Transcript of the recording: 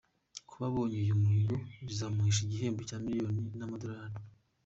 Kuba abonye uyu muhigo bizamuhesha igihembo cya miliyoni y’amadolari.